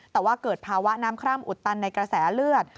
แต่ว่าเกิดภาวะน้ำคร่ำอุดตันในกระแสเลือด